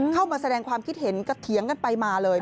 เข้ามาแสดงความคิดเห็นกระเถียงกันไปมาเลย